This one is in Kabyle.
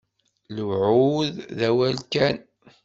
Lewɛud, d awal kan.